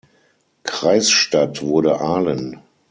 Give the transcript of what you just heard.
Kreisstadt wurde Aalen.